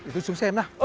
để tôi xuống xem nào